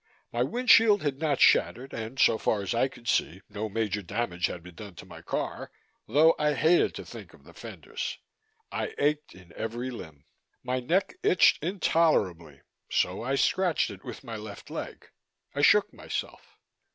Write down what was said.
My wind shield had not shattered and, so far as I could see, no major damage had been done to my car though I hated to think of the fenders. I ached in every limb. My neck itched intolerably so I scratched it with my left leg. I shook myself.